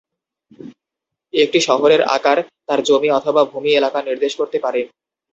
একটি শহরের "আকার" তার জমি অথবা ভূমি এলাকা নির্দেশ করতে পারে।